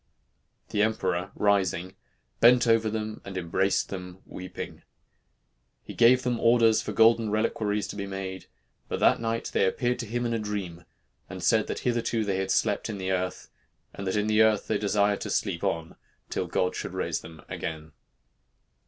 The emperor, rising, bent over them and embraced them weeping. He gave them orders for golden reliquaries to be made, but that night they appeared to him in a dream, and said that hitherto they had slept in the earth, and that in the earth they desired to sleep on till God should raise them again."